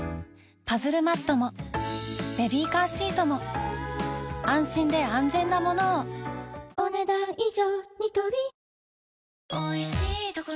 パズルマットもベビーカーシートも安心で安全なものをお、ねだん以上。